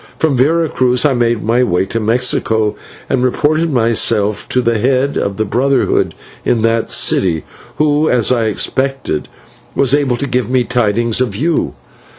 From Vera Cruz I made my way to Mexico, and reported myself to the head of the Brotherhood in that city, who, as I expected, was able to give me tidings of you.